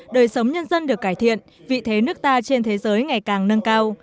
đời sống nhân dân được cải thiện vị thế nước ta trên thế giới ngày càng nâng cao